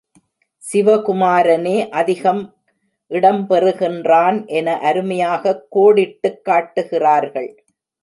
சிவகுமாரனே அதிகம் இடம் பெறுகின்றான் என அருமையாகக் கோடிட்டுக் காட்டுகிறார்கள்.